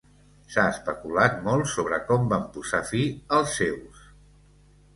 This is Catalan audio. S'ha especulat molt sobre com van posar fi als seus.